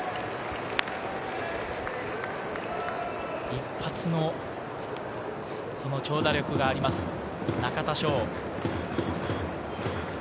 一発の長打力があります、中田翔。